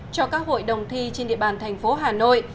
cho các hội đồng thi trên địa bàn thành phố hà nội